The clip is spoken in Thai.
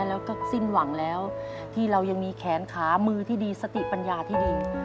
แล้วก็สิ้นหวังแล้วที่เรายังมีแขนขามือที่ดีสติปัญญาที่ดี